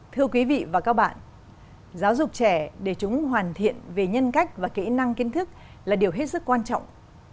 thưa quý vị và các bạn giáo dục trẻ để chúng hoàn thiện về nhân cách và kỹ năng kiến thức là điều hết sức quan trọng